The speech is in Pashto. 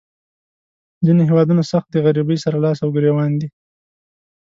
ځینې هیوادونه سخت د غریبۍ سره لاس او ګریوان دي.